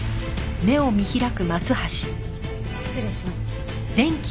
失礼します。